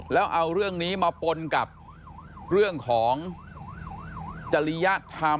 แล้วเอาเรื่องนี้มาปนกับเรื่องของจริยธรรม